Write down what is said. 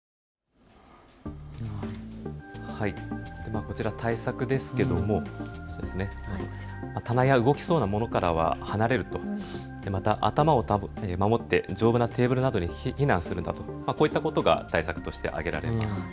こちら対策ですけれども棚や動きそうなものからは離れると、また頭を守って丈夫なテーブルなどに避難する、こういったことが対策として挙げられます。